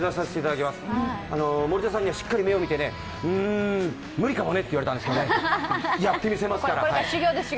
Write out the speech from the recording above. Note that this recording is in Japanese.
森田さんにはしっかり目を見てね、うん、無理かもねって言われたんですけどやってみせますから！